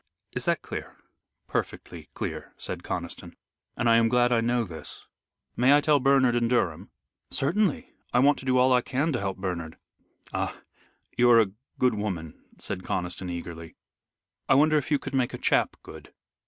Is that clear?" "Perfectly clear," said Conniston, "and I am glad I know this. May I tell Bernard and Durham?" "Certainly. I want to do all I can to help Bernard." "Ah, you are a good woman," said Conniston, eagerly. "I wonder if you could make a chap good?"